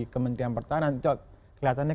kementerian pertahanan itu kelihatannya